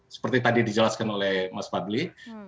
seperti tadi dijelaskan oleh mas fadli